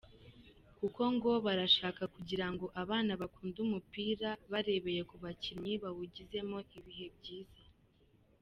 Kuko ngo barashaka kugira ngo abana bakunde umupira barebeye ku bakinnyi bawugizemo ibihe byiza”.